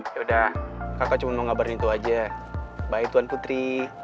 yaudah kakak cuma mau ngabarin itu aja bye tuan putri